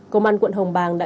công an quận hồng bàng đã